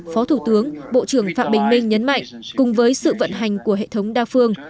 phó thủ tướng bộ trưởng phạm bình minh nhấn mạnh cùng với sự vận hành của hệ thống đa phương